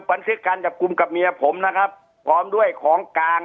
บันทึกการจับกลุ่มกับเมียผมนะครับพร้อมด้วยของกลาง